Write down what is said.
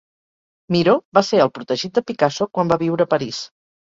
Miró va ser el protegit de Picasso quan va viure a París.